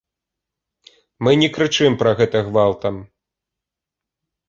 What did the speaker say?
Мы не крычым пра гэта гвалтам.